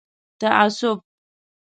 تعصب